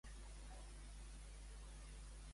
Se'n recull més amb el nas que amb una aixada ampla.